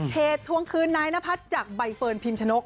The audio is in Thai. ทวงคืนนายนพัฒน์จากใบเฟิร์นพิมชนก